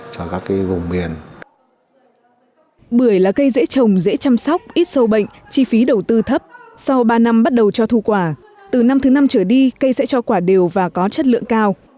sau ba năm bắt đầu cho thu quả từ năm thứ năm trở đi cây sẽ cho quả đều và có chất lượng cao